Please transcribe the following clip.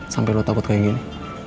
sampai lo takut kayak gini